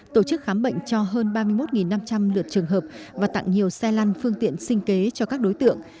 tổ chức khám bệnh cho hơn ba mươi một năm trăm linh lượt trường hợp và tặng nhiều xe lăn phương tiện sinh kế cho các đối tượng